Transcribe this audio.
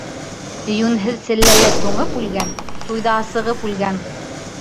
Йүнһеҙ селләлә туңып үлгән, туйҙа асығып үлгән.